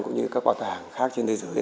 cũng như các bảo tàng khác trên thế giới